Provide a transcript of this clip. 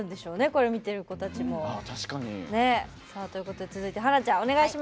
これを見ている子たちも。ということで続いて華ちゃん。